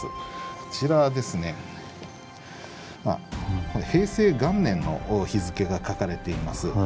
こちらですね平成元年の日付が書かれています。